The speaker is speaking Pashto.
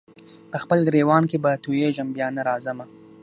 په خپل ګرېوان کي به تویېږمه بیا نه راځمه